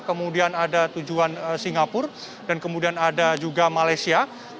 kemudian ada tujuan singapura dan kemudian ada juga malaysia